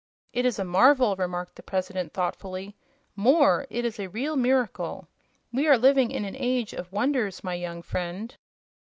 "It is a marvel," remarked the President, thoughtfully. "More! It is a real miracle. We are living in an age of wonders, my young friend."